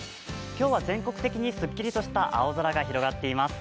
今日は全国的にすっきりとした青空が広がっています。